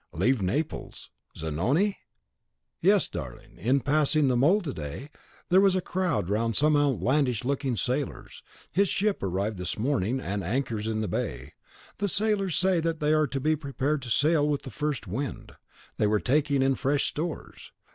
"Leave Naples! Zanoni?" "Yes, darling! In passing by the Mole to day, there was a crowd round some outlandish looking sailors. His ship arrived this morning, and anchors in the bay. The sailors say that they are to be prepared to sail with the first wind; they were taking in fresh stores.